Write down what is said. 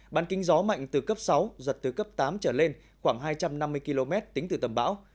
bàn kính gió mạnh từ cấp sáu giật từ cấp tám trở lên khoảng hai trăm năm mươi km tính từ tầm bão